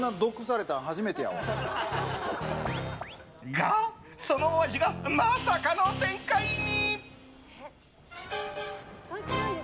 が、その味がまさかの展開に。